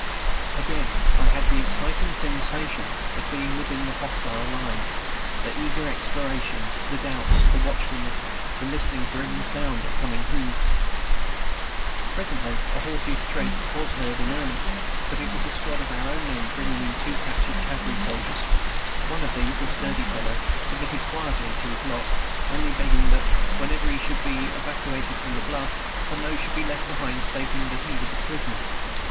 Again I had the exciting sensation of being within the hostile lines, the eager explorations, the doubts, the watchfulness, the listening for every sound of coming hoofs. Presently a horse's tread was heard in earnest, but it was a squad of our own men bringing in two captured cavalry soldiers. One of these, a sturdy fellow, submitted quietly to his lot, only begging that, whenever we should evacuate the bluff, a note should be left behind stating that he was a prisoner.